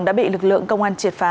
đã bị lực lượng công an triệt phá